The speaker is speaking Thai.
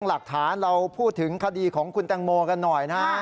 หลักฐานเราพูดถึงคดีของคุณแตงโมกันหน่อยนะฮะ